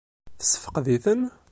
Tessefqed-iten?